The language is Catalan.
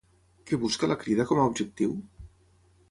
Què busca la Crida com a objectiu?